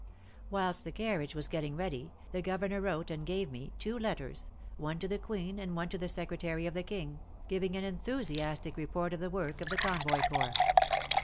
Whilst the carriage was getting ready, the Governor wrote and gave me, two letters, one to the Queen and one to the Secretary of the King, giving an enthusiastic report of the work of the Convoy Corps.